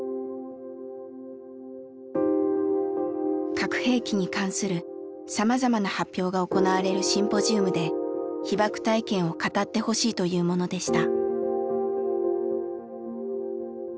核兵器に関するさまざまな発表が行われるシンポジウムで被爆体験を語ってほしいというものでした。